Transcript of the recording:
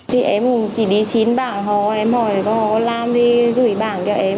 thì em chỉ đi xin bảng họ em hỏi họ làm thì gửi bảng cho em